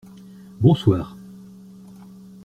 Bonsoir.